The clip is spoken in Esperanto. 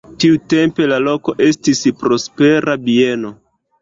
Tiutempe la loko estis prospera bieno.